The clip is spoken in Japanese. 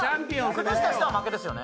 崩した人が負けですよね。